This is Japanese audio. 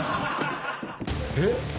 えっ？